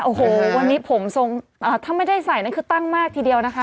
โอ้โหวันนี้ผมทรงถ้าไม่ได้ใส่นั่นคือตั้งมากทีเดียวนะคะ